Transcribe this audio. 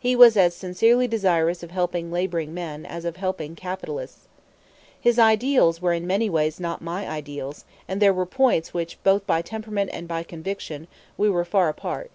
He was as sincerely desirous of helping laboring men as of helping capitalists. His ideals were in many ways not my ideals, and there were points where both by temperament and by conviction we were far apart.